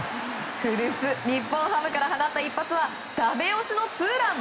古巣・日本ハムから放った一発はダメ押しのツーラン。